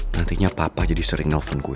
nantinya papa jadi sering nelfon gue